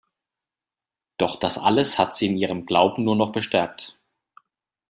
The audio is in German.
Doch das alles hat sie in ihrem Glauben nur noch bestärkt.